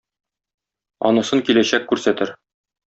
Анысын киләчәк күрсәтер.